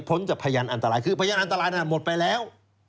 จากพยานอันตรายคือพยานอันตรายนั้นหมดไปแล้ว